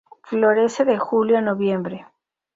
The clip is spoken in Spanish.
Florece de Julio a Noviembre.